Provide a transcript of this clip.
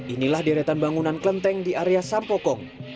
inilah deretan bangunan kelenteng di area sampokong